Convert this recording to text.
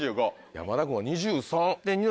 山田君は２３。